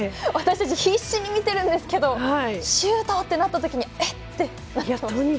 私たち必死に見てるんですけどシュートってなったときにえっ！ってなります。